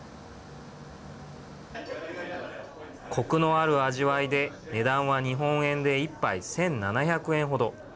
コクのある味わいで値段は日本円で１杯１７００円程。